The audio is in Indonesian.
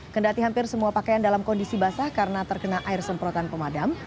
kendati hampir semua pakaian dalam kondisi basah karena terkena air semprotan pemadam